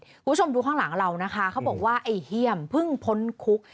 คุณผู้ชมดูข้างหลังเรานะคะเขาบอกว่าไอ้เฮี่ยมเพิ่งพ้นคุก